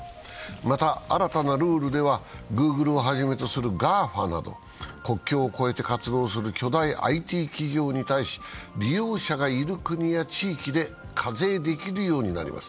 また新たなルールではＧｏｏｇｌｅをはじめとするＧＡＦＡなど国境を越えて活動する巨大ＩＴ企業に対し、利用者がいる国や地域で課税できるようになります。